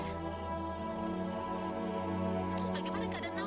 terus bagaimana keadaan mawar